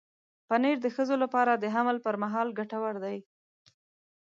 پنېر د ښځو لپاره د حمل پر مهال ګټور دی.